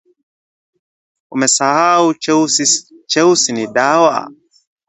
Umesahau cheusi ni dawa?